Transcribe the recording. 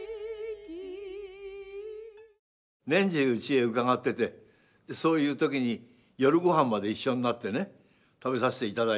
年中うちへ伺っててそういう時に夜ごはんまで一緒になってね食べさせていただいて。